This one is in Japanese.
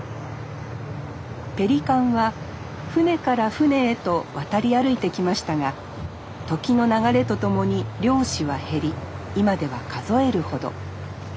ペリカンは船から船へと渡り歩いてきましたが時の流れと共に漁師は減り今では数えるほど。